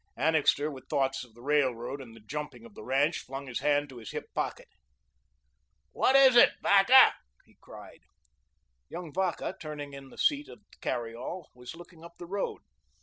Annixter, with thoughts of the Railroad, and the "Jumping" of the ranch, flung his hand to his hip pocket. "What is it, Vacca?" he cried. Young Vacca, turning in his seat in the carryall, was looking up the road.